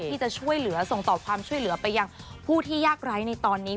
ที่จะช่วยเหลือส่งต่อความช่วยเหลือไปยังผู้ที่ยากไร้ในตอนนี้